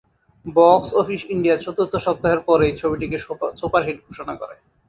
Box office India চতুর্থ সপ্তাহের পরেই ছবিটিকে সুপার হিট ঘোষণা করে।